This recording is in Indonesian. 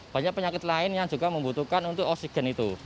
banyak penyakit lain yang juga membutuhkan untuk oksigen itu